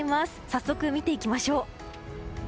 早速、見ていきましょう。